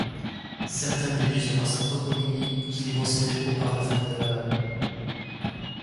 Certains déduisent par sa toponymie qu'il est possédé au par la Famille de Laval.